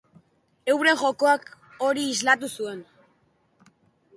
Euren jokoak hori islatu zuen.